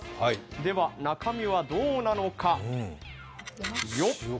では中身はどうなのか。